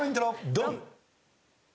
ドン！